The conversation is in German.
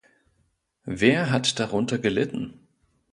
Wer hat darunter gelitten?